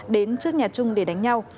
đến trước nhà trung để đánh nhau